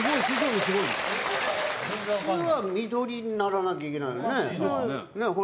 普通は緑にならなきゃいけないよね。